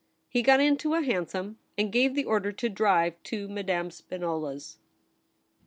He got into a hansom, and gave the order to drive to Madame Spinola's.